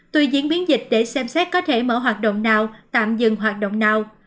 tuy diễn biến dịch để xem xét có thể mở hoạt động nào tạm dừng hoạt động nào